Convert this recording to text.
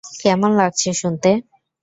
কেমন লাগছে শুনতে?